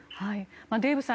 デーブさん